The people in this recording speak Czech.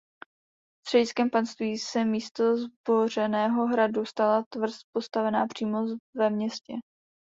Střediskem panství se místo zbořeného hradu stala tvrz postavená přímo ve městě.